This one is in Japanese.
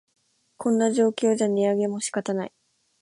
こんな状況じゃ値上げも仕方ない